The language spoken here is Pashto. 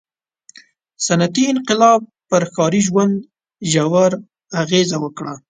• صنعتي انقلاب پر ښاري ژوند ژوره اغېزه وکړه.